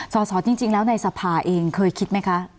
สสจริงแล้วในสภาเองเคยคิดไหมคะ